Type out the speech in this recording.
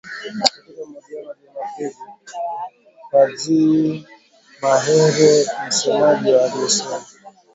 Katika mahojiano ya Jumapili Fadzayi Mahere msemaji wa alisema